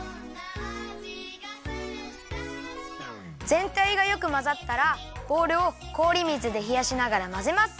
ぜんたいがよくまざったらボウルをこおり水でひやしながらまぜます。